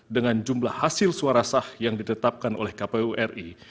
dengan jumlah hasil suara sah yang ditetapkan oleh kpu ri